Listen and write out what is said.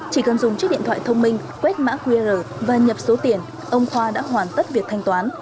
chỉ cần dùng chiếc điện thoại thông minh quét mã qr và nhập số tiền ông khoa đã hoàn tất việc thanh toán